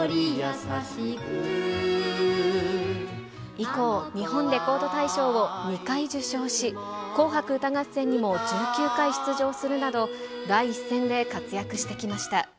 以降、日本レコード大賞を２回受賞し、紅白歌合戦にも１９回出場するなど、第一線で活躍してきました。